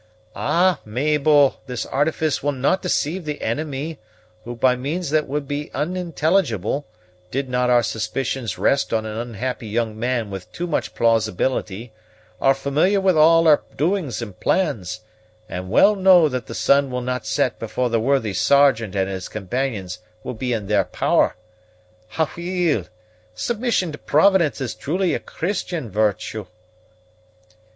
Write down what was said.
"Ah, Mabel, this artifice will no' deceive the enemy, who, by means that would be unintelligible, did not our suspicions rest on an unhappy young man with too much plausibility, are familiar with all our doings and plans, and well know that the sun will not set before the worthy Sergeant and his companions will be in their power. Aweel! Submission to Providence is truly a Christian virtue!"